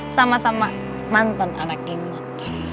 sama sama mantan anak kemot kan